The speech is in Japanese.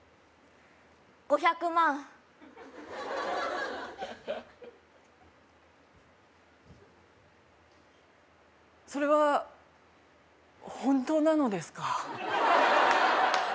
５００万それは本当なのですか？